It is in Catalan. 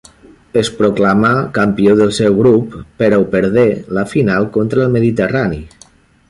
Es proclamà campió del seu grup, però perdé la final contra el Mediterrani.